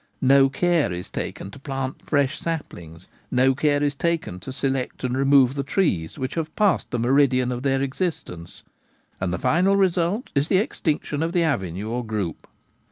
No care is taken to plant fresh saplings, no care is taken to select and remove the trees which have passed the meridian of their existence, and the final result is the extinction of the avenue or group.